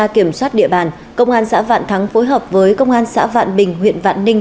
kiểm soát địa bàn công an xã vạn thắng phối hợp với công an xã vạn bình huyện vạn ninh